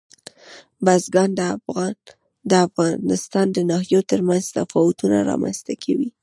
بزګان د افغانستان د ناحیو ترمنځ تفاوتونه رامنځته کوي.